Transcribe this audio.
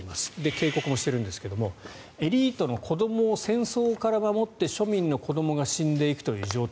警告もしているんですがエリートの子どもを戦争から守って庶民の子どもが死んでいくという状態